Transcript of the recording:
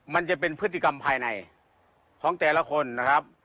มันจะเป็นพฤติกรรมภายในของแต่ละคนนะครับ